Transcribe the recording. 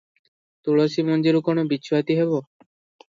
ତୁଳସୀ ମଞ୍ଜିରୁ କଣ ବିଛୁଆତି ହେବ?